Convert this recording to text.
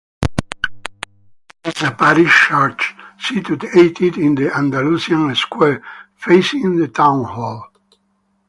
This is a parish church situated in the Andalusia square, facing the town hall.